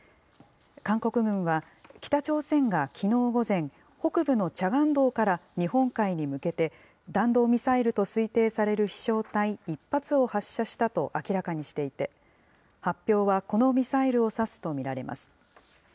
韓国軍は、北朝鮮がきのう午前、北部のチャガン道から日本海に向けて、弾道ミサイルと推定される飛しょう体１発を発射したと明らかにしていて、発表はこのミサイルを指すと見られます。